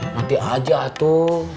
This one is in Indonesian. nanti aja tuh